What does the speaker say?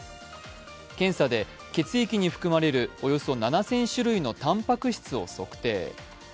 検査で血液に含まれる、およそ７０００種類のたんぱく質を測定。